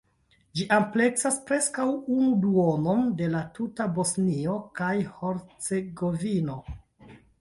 Ĝi ampleksas preskaŭ unu duonon de la tuta Bosnio kaj Hercegovino.